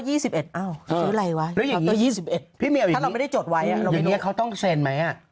เอ้าซื้ออะไรวะคาวเตอร์๒๑ถ้าเราไม่ได้จดไว้เราไม่รู้อย่างนี้เขาต้องเซ็นไหม